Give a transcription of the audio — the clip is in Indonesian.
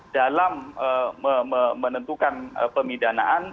dalam menentukan pemidanaan